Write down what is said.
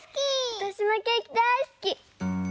わたしもケーキだいすき！